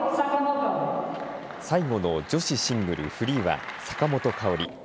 最後の女子シングルフリーは、坂本花織。